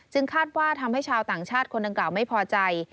คาดว่าทำให้ชาวต่างชาติคนดังกล่าวไม่พอใจ